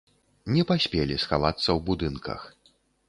Не паспелі схавацца ў будынках.